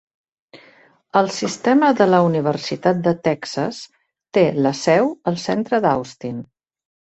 El sistema de la Universitat de Texas té la seu al centre d'Austin.